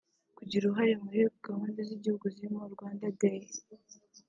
kugira uruhare muri gahunda z’igihugu zirimo Rwanda Day